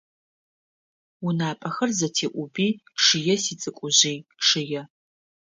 УнапӀэхэр зэтеӀуби, чъые сицӀыкӀужъый, чъые.